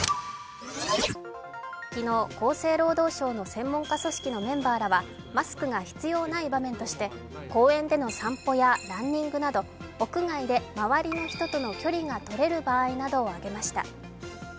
昨日、厚生労働省の専門家組織のメンバーらはマスクが必要ない場面として、公園での散歩やランニングなど屋外で周りの人との距離が取れる場合などを挙げました。